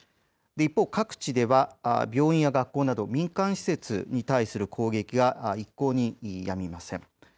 一方、各地では病院や学校など民間施設に対する攻撃が一向にやみません。